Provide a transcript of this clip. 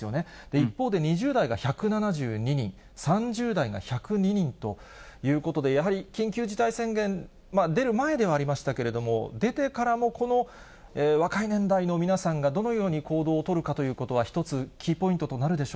一方で２０代が１７２人、３０代が１０２人ということで、やはり緊急事態宣言出る前ではありましたけれども、出てからも、この若い年代の皆さんが、どのように行動を取るかということは、一つ、そうですね。